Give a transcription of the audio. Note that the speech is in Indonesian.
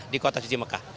di kota suci mekah